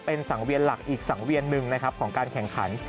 เป็นสังเวียนหลักอีกสังเวียนหนึ่งนะครับของการแข่งขัน